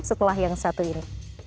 sekolah yang satu ini